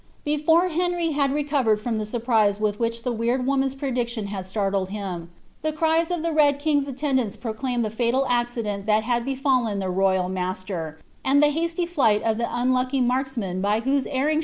Pefore Henty had rerovered from the surprise with which the wctid woninn's prediction had startled hini. the cries of the Red King's aUeo^ mnls procbinied the fatal accident that had befallen their roval maaM and llie hasly flight of the utilucky marksman by whose erring *hrf lie had died.